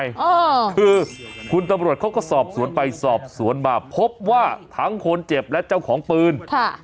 เออคือคุณตำรวจเขาก็สอบสวนไปสอบสวนมาพบว่าทั้งคนเจ็บและเจ้าของปืนค่ะ